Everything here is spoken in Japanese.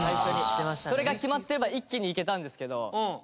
それが決まっていれば一気にいけたんですけど。